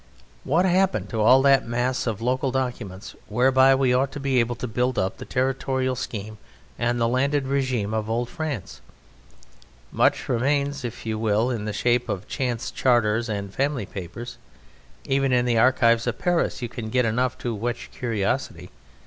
What happened to all that mass of local documents whereby we ought to be able to build up the territorial scheme and the landed regime of old France? Much remains, if you will, in the shape of chance charters and family papers. Even in the archives of Paris you can get enough to whet your curiosity.